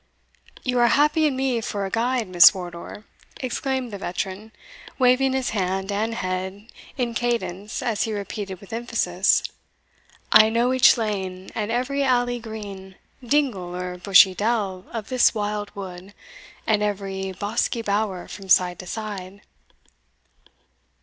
"You are happy in me for a guide, Miss Wardour," exclaimed the veteran, waving his hand and head in cadence as he repeated with emphasis, I know each lane, and every alley green, Dingle, or bushy dell, of this wild wood, And every bosky bower from side to side.